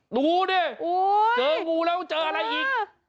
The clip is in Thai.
โอ้โหเนี่ยเจองูแล้วเจออะไรอีก